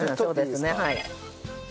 そうですねはい。